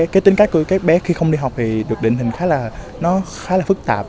cái tính cách của các bé khi không đi học thì được định hình khá là phức tạp